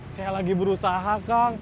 saya lagi berusaha kang